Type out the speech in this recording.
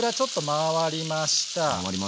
回りました！